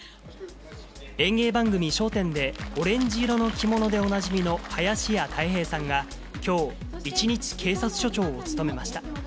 演芸番組、笑点でオレンジ色の着物でおなじみの林家たい平さんがきょう、一日警察署長を務めました。